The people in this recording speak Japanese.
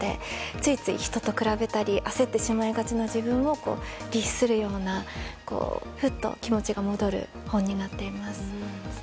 ついつい人と比べたり焦ってしまいがちな自分を律するようなふと気持ちが戻る本になっています。